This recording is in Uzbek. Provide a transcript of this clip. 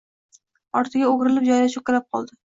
Ortiga o‘girilib joyiga cho‘kkalab qoldi.